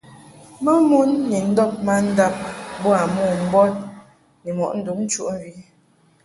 Mamon ni ndɔb mandab boa mombɔd ni mɔʼ nduŋ nchuʼmvi.